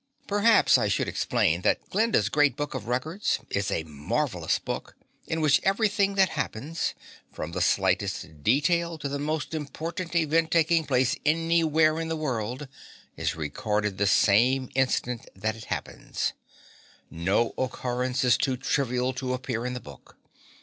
Perhaps I should explain that Glinda's Great Book of Records is a marvelous book in which everything that happens, from the slightest detail to the most important event taking place anywhere in the world, is recorded the same instant that it happens. No occurrence is too trivial to appear in the book.